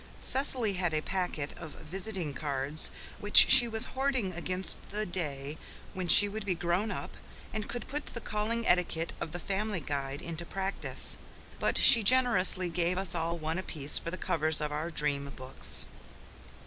Cecily had a packet of visiting cards which she was hoarding against the day when she would be grown up and could put the calling etiquette of the Family Guide into practice; but she generously gave us all one apiece for the covers of our dream books.